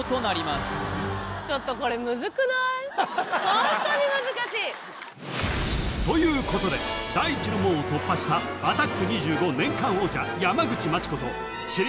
ホントに難しいということで第一の門を突破した「アタック２５」年間王者山口真知子と地理